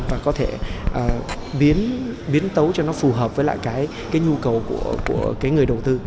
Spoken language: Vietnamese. và có thể biến tấu cho nó phù hợp với lại cái nhu cầu của cái người đầu tư